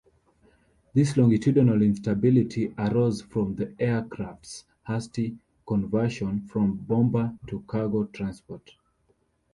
This longitudinal instability arose from the aircraft's hasty conversion from bomber to cargo transport.